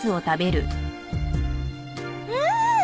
うん！